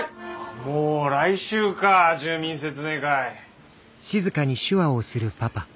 もう来週か住民説明会。